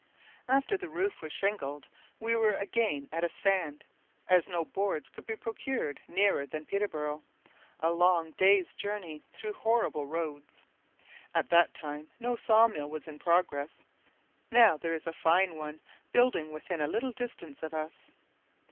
After the roof was shingled, we were again at a stand, as no boards could be procured nearer than Peterborough, a long day's journey through horrible roads. At that time no saw mill was in progress; now there is a fine one building within a little distance of us.